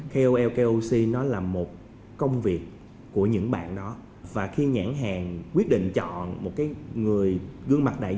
các nội dung thiếu chuẩn mực